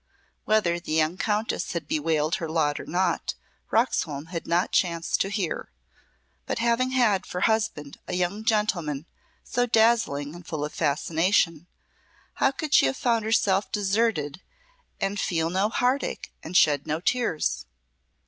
Whether the young Countess had bewailed her lot or not, Roxholm had not chanced to hear, but having had for husband a young gentleman so dazzling and full of fascination, how could she have found herself deserted and feel no heartache and shed no tears?